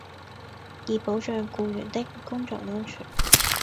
以保障僱員的工作安全